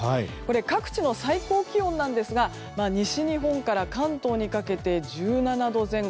各地の最高気温なんですが西日本から関東にかけて１７度前後。